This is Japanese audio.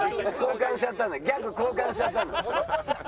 ギャグ交換しちゃったんだ。